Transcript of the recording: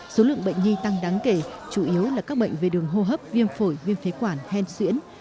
số lượng bệnh nhi tăng đáng kể chủ yếu là các bệnh về đường hô hấp viêm phổi viêm phế quản hen xuyễn